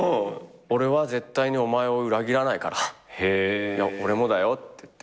「俺は絶対にお前を裏切らないから」俺もだよって言って。